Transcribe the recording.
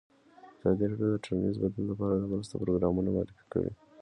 ازادي راډیو د ټولنیز بدلون لپاره د مرستو پروګرامونه معرفي کړي.